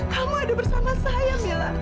kamu ada bersama saya mila